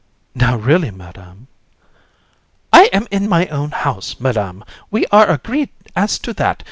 JU. Now really, Madam! COUN. I am in my own house, Madam! We are agreed as to that.